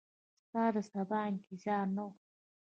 ستا دسبا د انتظار نه وه